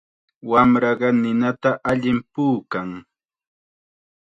Wamraqa ninata allim puukan.